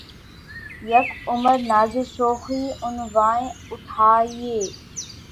یک عمر نازِ شوخیِ عنواں اٹھایئے